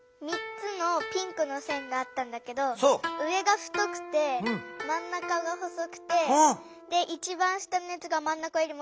３つのピンクの線があったんだけど上が太くてまん中が細くて一番下のやつがまん中よりも太かった。